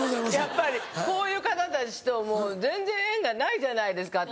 やっぱりこういう方たちともう全然縁がないじゃないですか私。